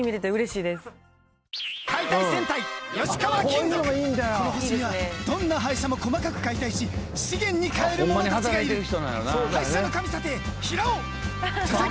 「この星にはどんな廃車も細かく解体し資源に変える者たちがいる」